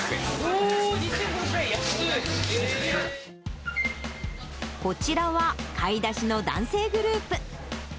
おー、こちらは買い出しの男性グル